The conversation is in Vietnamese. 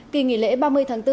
kỳ nghỉ lễ ba mươi tháng bốn